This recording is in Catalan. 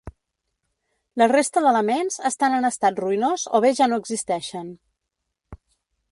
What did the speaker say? La resta d’elements estan en estat ruïnós o bé ja no existeixen.